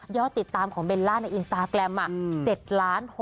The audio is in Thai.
ยอดติดตามของเบลล่าในอินสตาแกรม๗๖๐๐๐๐๐คนเลยนะ